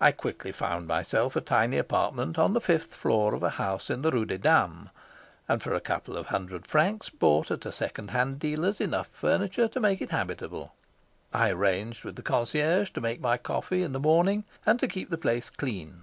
I quickly found myself a tiny apartment on the fifth floor of a house in the Rue des Dames, and for a couple of hundred francs bought at a second hand dealer's enough furniture to make it habitable. I arranged with the concierge to make my coffee in the morning and to keep the place clean.